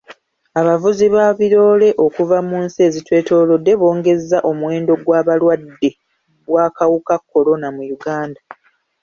Abavuzi ba birooole okuva mu nsi ezitwetoolodde bongezza omuwendo gw'abalwadde bw'akawuka kolona mu Uganda.